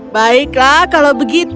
baiklah kalau begitu